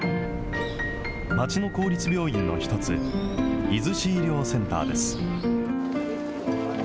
街の公立病院の一つ、出石医療センターです。